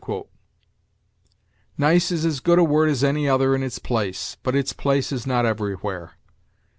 Nice is as good a word as any other in its place, but its place is not everywhere.